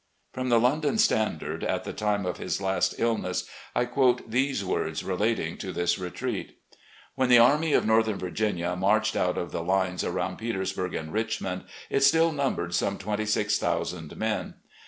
.. From the London Standard, at the time of his last ill ness, I quote these words relating to this retreat: ISO RECX)LLECTIONS OF GENERAL LEE " When the Army of Northern Virginia marched out of the lines aroimd Petersbui^ and Richmond, it still num bered some twenty six thousand men.